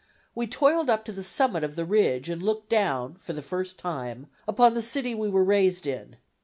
We toiled up to the summit of the ridge and looked down for the first time upon the city we were raised in.